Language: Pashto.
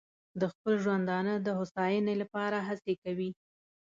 د خپل ژوندانه د هوساینې لپاره هڅې کوي.